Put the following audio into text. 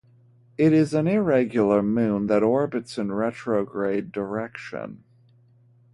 It is an irregular moon that orbits in a retrograde direction.